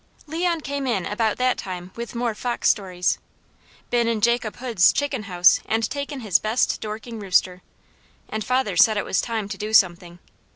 Leon came in about that time with more fox stories. Been in Jacob Hood's chicken house and taken his best Dorking rooster, and father said it was time to do something.